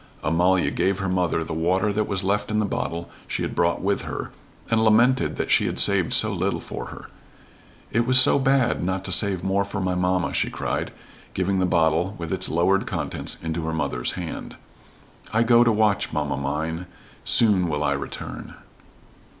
Amalia gave her mother the water that was left in the bottle she had brought with her, and lamented that she had saved so little for her. "It was so bad, not to save more for my mamma," she cried, giving the bottle with its lowered contents into her mother's hand. "I go to watch, mamma mine. Soon will I return."